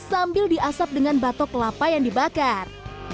sambil diasap dengan batok kelapa yang dibakar